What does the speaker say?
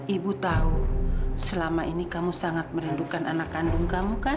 ibu tahu selama ini kamu sangat merindukan anak kandung kamu kan